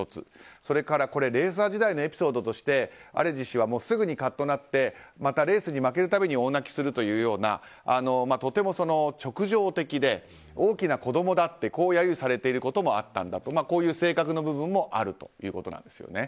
それから、レーサー時代のエピソードとしてすぐにかっとなってレースに負けるたび大泣きするととても直情的で大きな子供だと揶揄されることもあったんだと、そういう性格の部分もあるということです。